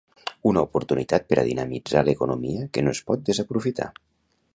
Una oportunitat per a dinamitzar l'economia que no es pot desaprofitar.